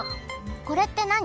これってなに？